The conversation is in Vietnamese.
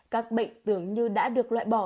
các bệnh tưởng như đã được loại bỏ